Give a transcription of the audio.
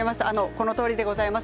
このとおりでございます。